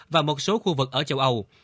và một số khu vực ở châu âu